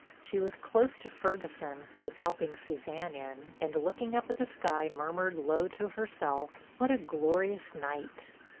She was close to Ferguson who was helping Suzanne in, and looking up at the sky murmured low to herself: "What a glorious night!"